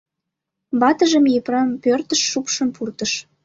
Ватыжым Епрем пӧртыш шупшын пуртыш.